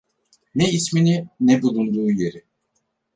Ne ismini, ne bulunduğu yeri.